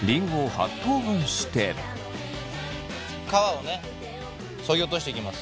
皮をねそぎ落としていきます。